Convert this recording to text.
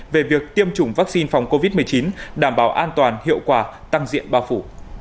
về việc tiêm chủng vaccine phòng covid một mươi chín đảm bảo an toàn hiệu quả tăng diện bao phủ